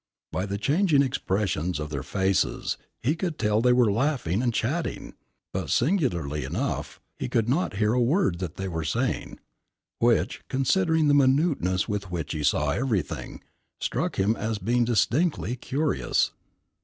By the changing expression of their faces he could tell they were laughing and chatting; but, singularly enough, he could not hear a word that they were saying, which, considering the minuteness with which he saw everything, struck him as being distinctly curious.